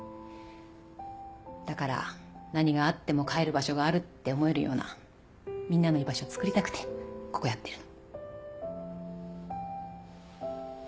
だから何があっても帰る場所があるって思えるようなみんなの居場所をつくりたくてここやってるの。